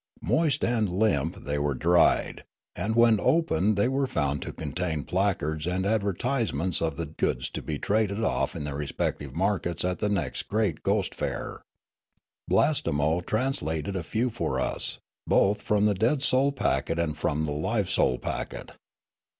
Moist and limp, the} were dried ; and when opened they were found to contain placards and advertisements of the goods to be traded off in their respective markets at the next great ghost fair. Blastemo translated a few for us, both from the dead soul packet and from the live soul packet.